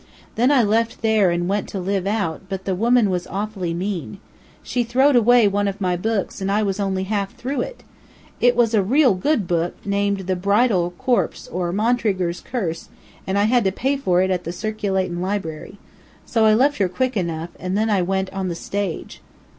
Then I left there and went to live out, but the woman was awful mean. She throwed away one of my books and I was only half through it. It was a real good book, named 'The Bridal Corpse, or Montregor's Curse,' and I had to pay for it at the circulatin' library. So I left her quick enough, and then I went on the stage."